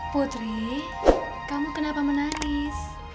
putri kamu kenapa menangis